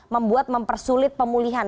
membuat mempersulit pemulihan